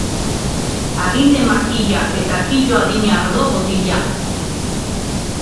Aginte makila eta kilo adina ardo botila.